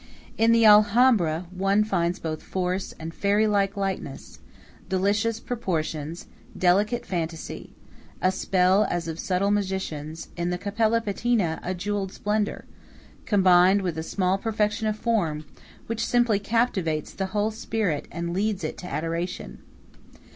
In the Alhambra one finds both force and fairylike lightness, delicious proportions, delicate fantasy, a spell as of subtle magicians; in the Cappella Palatina, a jeweled splendor, combined with a small perfection of form which simply captivates the whole spirit and leads it to adoration.